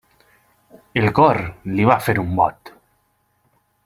El cor li va fer un bot.